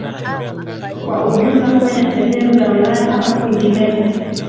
kwa ujumla kwenye sehemu za wilaya ama kwingineko